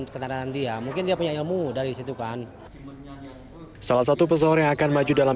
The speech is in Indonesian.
kenalan dia mungkin dia punya ilmu dari situ kan salah satu pesohor yang akan maju dalam